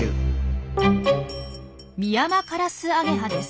ミヤマカラスアゲハです。